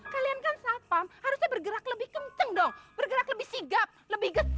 kalian kan satpam harusnya bergerak lebih kenceng dong bergerak lebih sigap lebih get